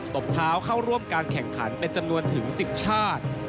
บเท้าเข้าร่วมการแข่งขันเป็นจำนวนถึง๑๐ชาติ